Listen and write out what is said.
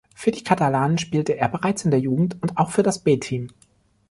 Für die Katalanen spielte er bereits in der Jugend und auch für das B-Team.